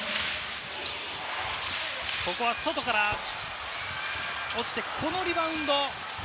ここは外から落ちて、このリバウンド。